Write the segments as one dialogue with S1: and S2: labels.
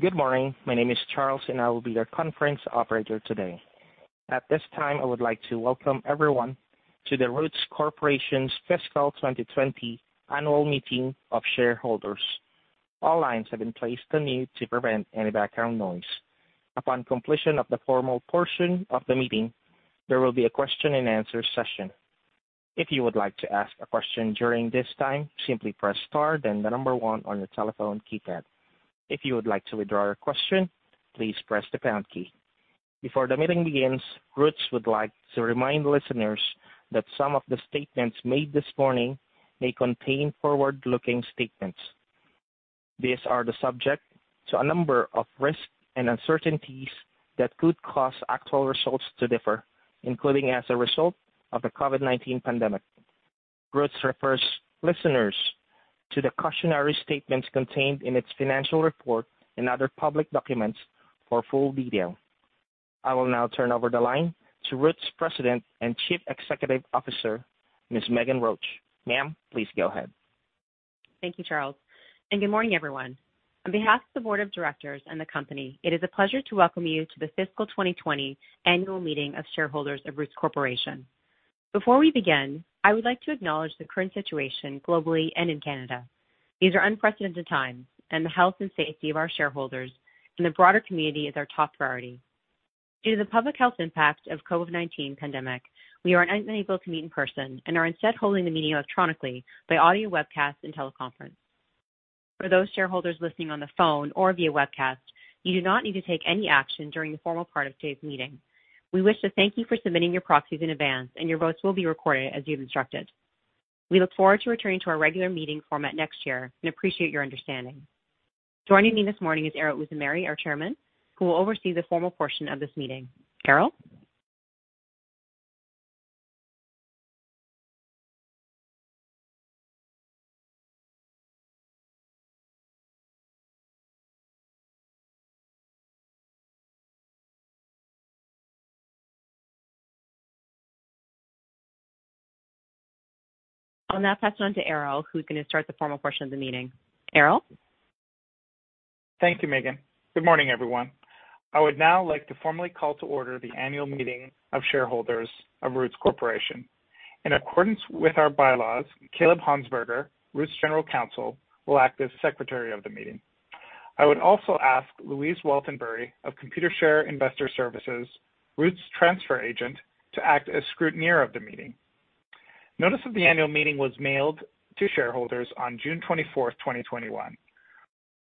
S1: Good morning. My name is Charles, and I will be your conference operator today. At this time, I would like to welcome everyone to Roots Corporation's Fiscal 2020 Annual Meeting of Shareholders. All lines have been placed on mute to prevent any background noise. Upon completion of the formal portion of the meeting, there will be a question and answer session. If you would like to ask a question during this time, simply press star then the number one on your telephone keypad. If you would like to withdraw your question, please press the pound key. Before the meeting begins, Roots would like to remind listeners that some of the statements made this morning may contain forward-looking statements. These are subject to a number of risks and uncertainties that could cause actual results to differ, including as a result of the COVID-19 pandemic. Roots refers listeners to the cautionary statements contained in its financial report and other public documents for full detail. I will now turn over the line to Roots President and Chief Executive Officer, Ms. Meghan Roach. Ma'am, please go ahead.
S2: Thank you, Charles, and good morning, everyone. On behalf of the Board of Directors and the company, it is a pleasure to welcome you to the fiscal 2020 annual meeting of shareholders of Roots Corporation. Before we begin, I would like to acknowledge the current situation globally and in Canada. These are unprecedented times, and the health and safety of our shareholders and the broader community is our top priority. Due to the public health impact of COVID-19 pandemic, we are unable to meet in person and are instead holding the meeting electronically by audio webcast and teleconference. For those shareholders listening on the phone or via webcast, you do not need to take any action during the formal part of today's meeting. We wish to thank you for submitting your proxies in advance, and your votes will be recorded as you've instructed. We look forward to returning to our regular meeting format next year and appreciate your understanding. Joining me this morning is Erol Uzumeri, our chairman, who will oversee the formal portion of this meeting. Erol? I'll now pass it on to Erol, who's going to start the formal portion of the meeting. Erol?
S3: Thank you, Meghan. Good morning, everyone. I would now like to formally call to order the annual meeting of shareholders of Roots Corporation. In accordance with our bylaws, Kaleb Honsberger, Roots General Counsel, will act as Secretary of the meeting. I would also ask Louise Waltenbury of Computershare Investor Services, Roots' transfer agent, to act as scrutineer of the meeting. Notice of the annual meeting was mailed to shareholders on June 24th, 2021.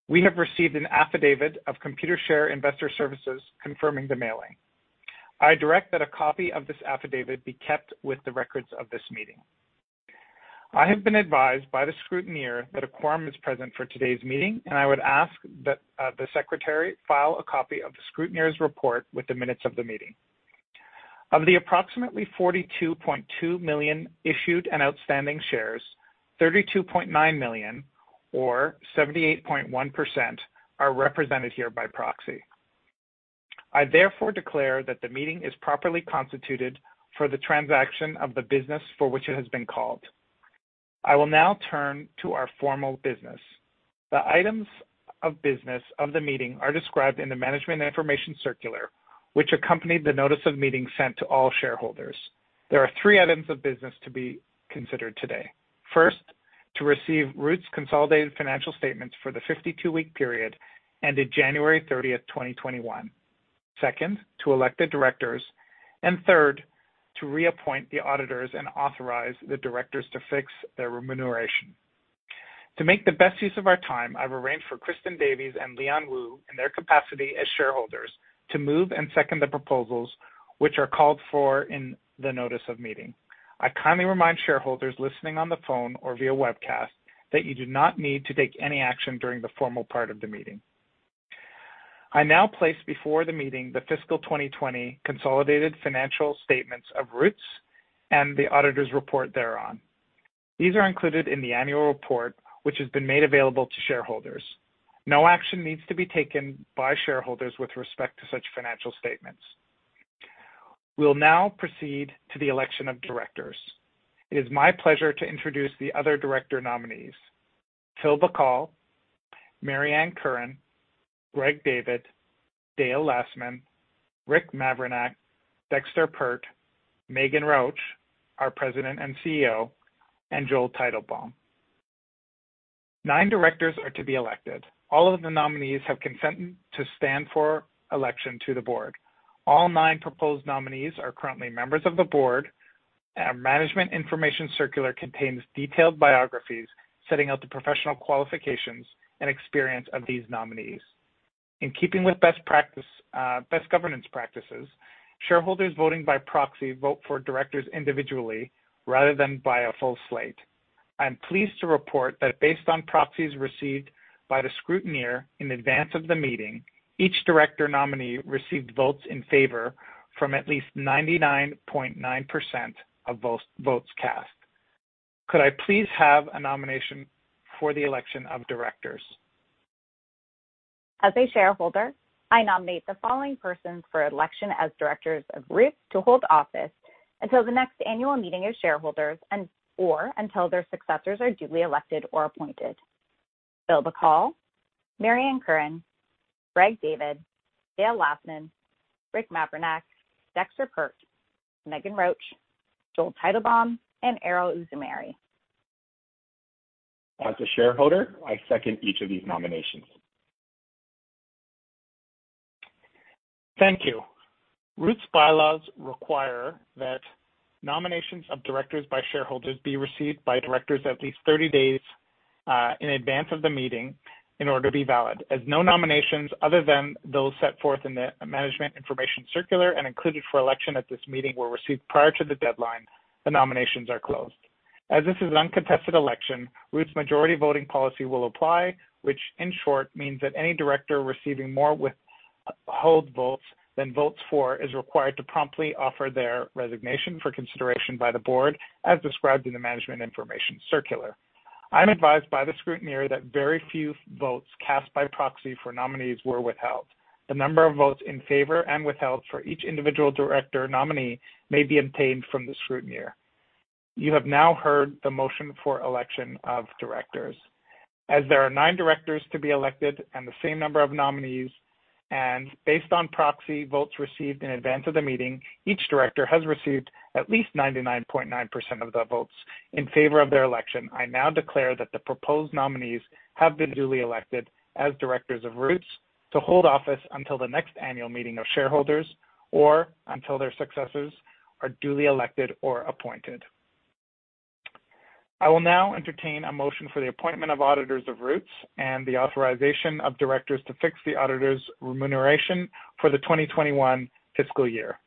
S3: We have received an affidavit of Computershare Investor Services confirming the mailing. I direct that a copy of this affidavit be kept with the records of this meeting. I have been advised by the scrutineer that a quorum is present for today's meeting, and I would ask that the Secretary file a copy of the scrutineer's report with the minutes of the meeting. Of the approximately 42.2 million issued and outstanding shares, 32.9 million or 78.1% are represented here by proxy. I therefore declare that the meeting is properly constituted for the transaction of the business for which it has been called. I will now turn to our formal business. The items of business of the meeting are described in the management information circular, which accompanied the notice of meeting sent to all shareholders. There are three items of business to be considered today. First, to receive Roots' consolidated financial statements for the 52-week period ended January 30th, 2021. Second, to elect the directors. Third, to reappoint the auditors and authorize the directors to fix their remuneration. To make the best use of our time, I've arranged for Kristen Davies and Leon Wu, in their capacity as shareholders, to move and second the proposals, which are called for in the notice of meeting. I kindly remind shareholders listening on the phone or via webcast that you do not need to take any action during the formal part of the meeting. I now place before the meeting the fiscal 2020 consolidated financial statements of Roots and the auditor's report thereon. These are included in the annual report, which has been made available to shareholders. No action needs to be taken by shareholders with respect to such financial statements. We'll now proceed to the election of directors. It is my pleasure to introduce the other director nominees, Phil Bacal, Mary Ann Curran, Greg David, Dale Lastman, Rick Mavrinac, Dexter Peart, Meghan Roach, our President and CEO, and Joel Teitelbaum. Nine directors are to be elected. All of the nominees have consented to stand for election to the board. All nine proposed nominees are currently members of the board. Our management information circular contains detailed biographies setting out the professional qualifications and experience of these nominees. In keeping with best governance practices, shareholders voting by proxy vote for directors individually rather than by a full slate. I am pleased to report that based on proxies received by the scrutineer in advance of the meeting, each director nominee received votes in favor from at least 99.9% of votes cast. Could I please have a nomination for the election of directors?
S4: As a shareholder, I nominate the following persons for election as directors of Roots to hold office until the next annual meeting of shareholders or until their successors are duly elected or appointed. Phil Bacal, Mary Ann Curran, Gregory David, Dale Lastman, Richard P. Mavrinac, Dexter Peart, Meghan Roach, Joel Teitelbaum, and Erol Uzumeri.
S5: As a shareholder, I second each of these nominations.
S3: Thank you. Roots bylaws require that nominations of directors by shareholders be received by directors at least 30 days in advance of the meeting in order to be valid. As no nominations other than those set forth in the management information circular and included for election at this meeting were received prior to the deadline, the nominations are closed. As this is an uncontested election, Roots' majority voting policy will apply, which in short means that any director receiving more withheld votes than votes for is required to promptly offer their resignation for consideration by the board, as described in the management information circular. I'm advised by the scrutineer that very few votes cast by proxy for nominees were withheld. The number of votes in favor and withheld for each individual director nominee may be obtained from the scrutineer. You have now heard the motion for election of directors. As there are nine directors to be elected and the same number of nominees, and based on proxy votes received in advance of the meeting, each director has received at least 99.9% of the votes in favor of their election. I now declare that the proposed nominees have been duly elected as directors of Roots to hold office until the next annual meeting of shareholders or until their successors are duly elected or appointed. I will now entertain a motion for the appointment of auditors of Roots and the authorization of directors to fix the auditors' remuneration for the 2021 fiscal year.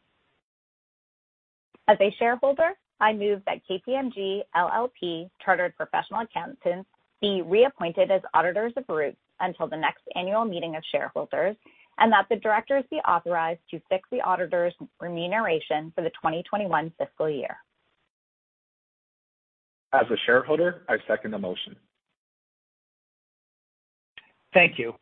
S4: As a shareholder, I move that KPMG LLP Chartered Professional Accountants be reappointed as auditors of Roots until the next annual meeting of shareholders, and that the directors be authorized to fix the auditors' remuneration for the 2021 fiscal year.
S5: As a shareholder, I second the motion.
S3: Thank you.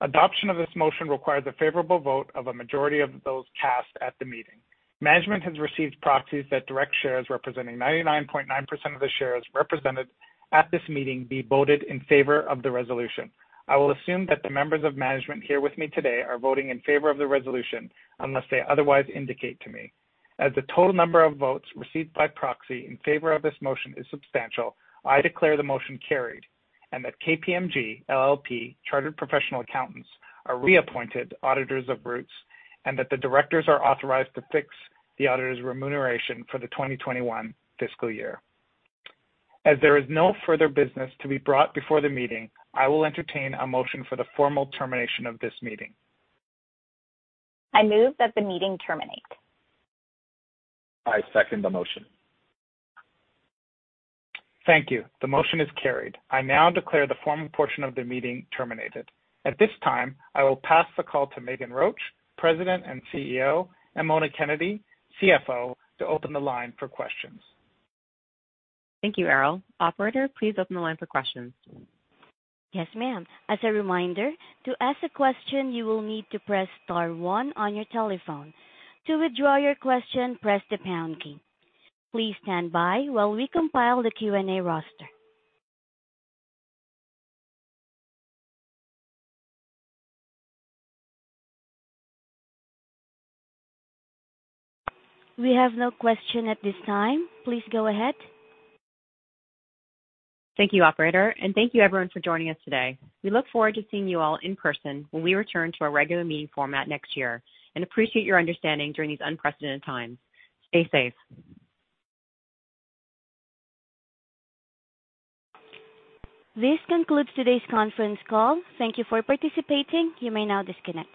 S3: Adoption of this motion requires a favorable vote of a majority of those cast at the meeting. Management has received proxies that direct shares representing 99.9% of the shares represented at this meeting be voted in favor of the resolution. I will assume that the members of management here with me today are voting in favor of the resolution unless they otherwise indicate to me. As the total number of votes received by proxy in favor of this motion is substantial, I declare the motion carried and that KPMG LLP Chartered Professional Accountants are reappointed auditors of Roots, and that the directors are authorized to fix the auditors' remuneration for the 2021 fiscal year. As there is no further business to be brought before the meeting, I will entertain a motion for the formal termination of this meeting.
S4: I move that the meeting terminate.
S5: I second the motion.
S3: Thank you. The motion is carried. I now declare the formal portion of the meeting terminated. At this time, I will pass the call to Meghan Roach, President and CEO, and Mona Kennedy, CFO, to open the line for questions.
S2: Thank you, Erol. Operator, please open the line for questions.
S1: Yes, ma'am. As a reminder, to ask a question, you will need to press star one on your telephone. To withdraw your question, press the pound key. Please stand by while we compile the Q&A roster. We have no question at this time. Please go ahead.
S2: Thank you, operator, and thank you everyone for joining us today. We look forward to seeing you all in person when we return to our regular meeting format next year and appreciate your understanding during these unprecedented times. Stay safe.
S1: This concludes today's conference call. Thank you for participating. You may now disconnect.